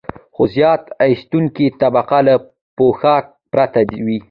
خو زیار ایستونکې طبقه له پوښاک پرته وي